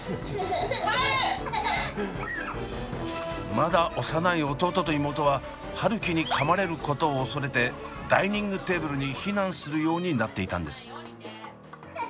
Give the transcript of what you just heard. まだ幼い弟と妹は春輝にかまれることを恐れてダイニングテーブルに避難するようになっていたんです。